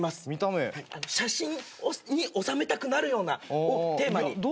写真に収めたくなるようなをテーマに。